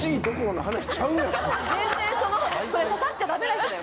それ刺さっちゃダメな人だよ。